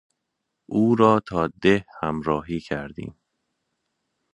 اورا تا ده همراهی کردیم